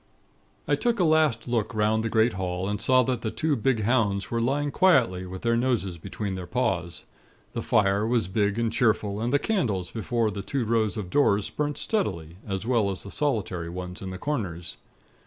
"I took a last look 'round the great hall, and saw that the two big hounds were lying quietly, with their noses between their paws. The fire was big and cheerful, and the candles before the two rows of doors, burnt steadily, as well as the solitary ones in the corners.